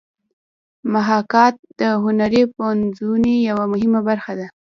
محاکات د هنري پنځونې یوه مهمه برخه ده